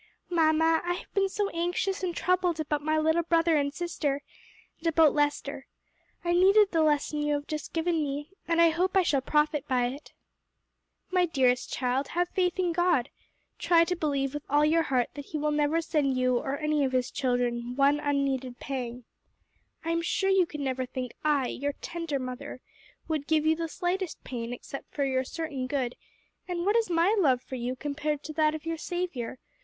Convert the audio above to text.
"Mamma, I have been so anxious and troubled about my little brother and sister, and about Lester, I needed the lesson you have just given me, and hope I shall profit by it." "My dearest child, have faith in God; try to believe with all your heart that he will never send you or any of his children one unneeded pang. I am sure you could never think I your tender mother would give you the slightest pain except for your certain good; and what is my love for you compared to that of your Saviour?